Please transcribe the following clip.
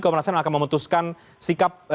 kompolnasam akan memutuskan sikap